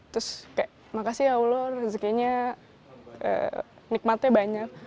terus kayak makasih ya allah rezekinya nikmatnya banyak